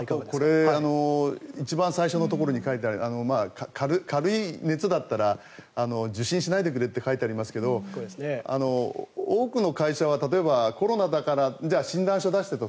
一番最初のところに書いてある軽い熱だったら受診しないでくれと書いてありますが多くの会社はコロナだから診断書出してと。